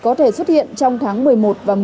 có thể xuất hiện trong tháng một mươi một và một mươi